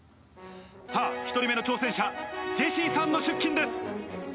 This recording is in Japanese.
さぁ１人目の挑戦者ジェシーさんの出勤です。